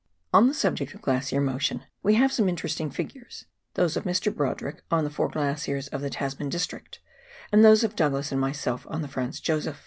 On the subject of glacier motion we have some interesting figures — those of Mr. Brodrick on the four glaciers of the Tasman district, and those of Douglas and myself on the Franz Josef.